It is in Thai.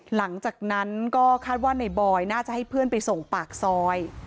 หลังจากนั้นก็คาดว่าในบอยน่าจะให้เพื่อนไปส่งปากซอย